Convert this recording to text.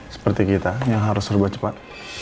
seperti kita yang harus serba cepat